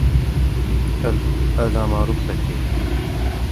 الم ركبتي.